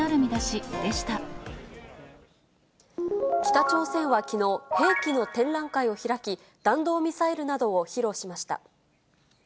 北朝鮮はきのう、兵器の展覧会を開き、弾道ミサイルなどを披露しました。